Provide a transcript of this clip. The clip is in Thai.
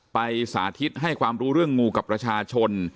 สาธิตให้ความรู้เรื่องงูกับประชาชน